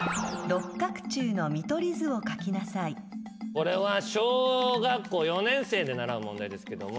これは小学校４年生で習う問題ですけども。